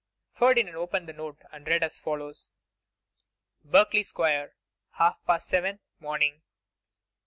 Ferdinand opened the note and read as follows: 'Berkeley square, half past 7, morning.